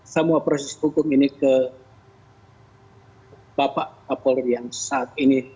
semua proses hukum ini ke bapak kapolri yang saat ini